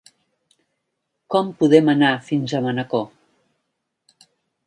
Com podem anar fins a Manacor?